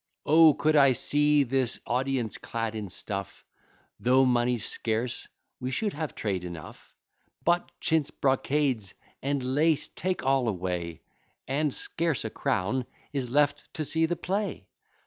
O! could I see this audience clad in stuff, Though money's scarce, we should have trade enough: But chintz, brocades, and lace, take all away, And scarce a crown is left to see the play.